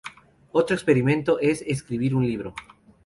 Otro experimento es: escribir un libro.